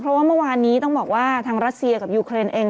เพราะว่าเมื่อวานนี้ต้องบอกว่าทางรัสเซียกับยูเครนเอง